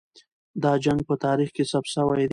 دا جنګ په تاریخ کې ثبت سوی دی.